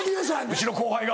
うちの後輩が。